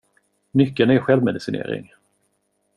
Nyckeln är självmedicinering.